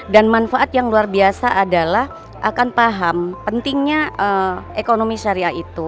dan manfaat yang luar biasa adalah akan paham pentingnya ekonomi syariah itu